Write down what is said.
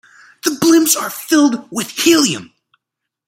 The blimps are filled with helium.